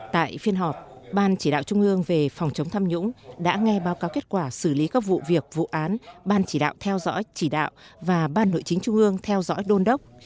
tại phiên họp ban chỉ đạo trung ương về phòng chống tham nhũng đã nghe báo cáo kết quả xử lý các vụ việc vụ án ban chỉ đạo theo dõi chỉ đạo và ban nội chính trung ương theo dõi đôn đốc